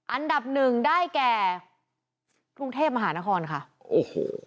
อันดับหนึ่งได้แก่กรุงเทพมหานครค่ะโอ้โห